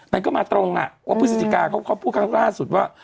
มันก็มาตรงนะเพิ่งพูดข้างล่าสุดว่า